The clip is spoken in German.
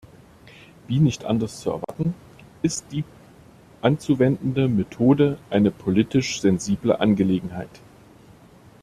Wie nicht anders zu erwarten, ist die anzuwendende Methode eine politisch sensible Angelegenheit.